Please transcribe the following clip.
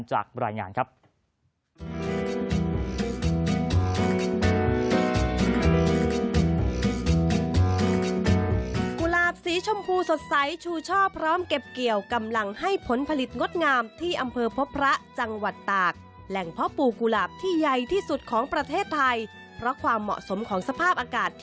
จากรายงานครับ